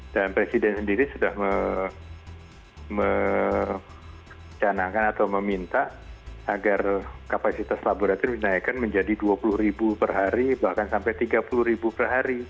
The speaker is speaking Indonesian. dan presiden sendiri sudah mencanangkan atau meminta agar kapasitas laboratorium dinaikkan menjadi dua puluh per hari bahkan sampai tiga puluh per hari